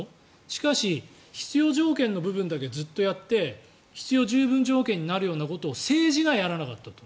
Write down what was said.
しかし、必要条件の部分だけずっとやって必要十分条件になることを政治がやらなかったと。